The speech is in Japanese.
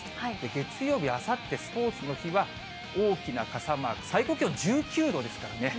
月曜日、あさってスポーツの日は、大きな傘マーク、最高気温１９度ですからね。